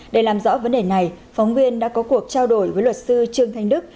để làm rõ vấn đề này phóng viên đã có cuộc trao đổi với luật sư trương thanh đức